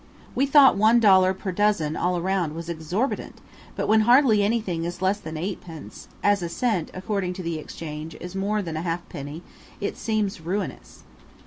We thought one dollar per dozen all round was exorbitant, but when hardly anything is less than eightpence (as a cent, according to the exchange, is more than a halfpenny) it seems ruinous.